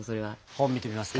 本見てみますか？